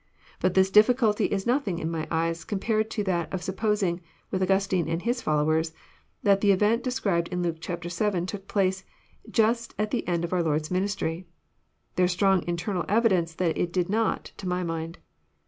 But this difficulty is nothing in my eyes com pared to that of supposing, with Augustine and his followers, that the event described in Lake vii. took place just at the end of our Lord's ministry. There is strong internal evidence that it did not, to my mind.